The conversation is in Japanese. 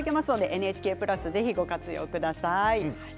ＮＨＫプラスぜひご活用ください。